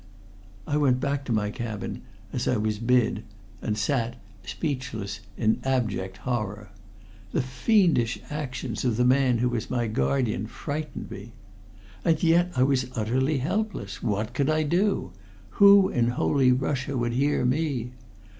"I went back to my cabin as I was bid, and sat speechless in abject horror. The fiendish actions of the man who was my guardian frightened me. And yet I was utterly helpless. What could I do? Who in holy Russia would hear me?